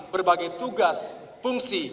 berbagai tugas fungsi